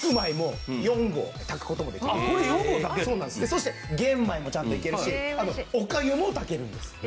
そして玄米もちゃんといけるしあとおかゆも炊けるんです。